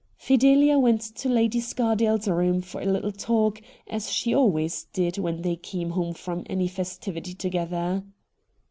Fideha went to Lady Scardale's room for a little talk, as she always did when they came home from any festivity together.